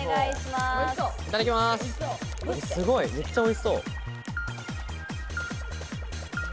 すごい、めっちゃおいしそう！